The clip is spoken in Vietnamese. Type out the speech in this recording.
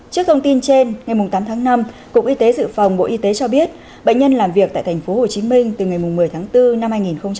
trước thông tin trên ngày tám tháng năm cục y tế dự phòng bộ y tế cho biết bệnh nhân làm việc tại tp hcm từ ngày một mươi tháng bốn năm hai nghìn hai mươi